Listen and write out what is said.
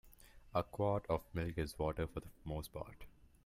A quart of milk is water for the most part.